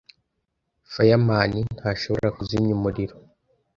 Fireman ntashobora kuzimya umuriro.